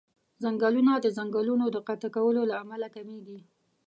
ځنګلونه د ځنګلونو د قطع کولو له امله کميږي.